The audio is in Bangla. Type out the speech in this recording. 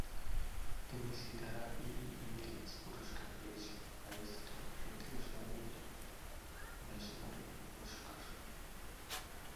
তিনি সিতারা-ই-ইমতিয়াজ পুরস্কার পেয়েছেন, পাকিস্তানের তৃতীয় সর্বোচ্চ বেসামরিক পুরস্কার।